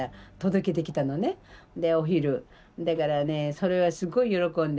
だからねそれはすごい喜んでね。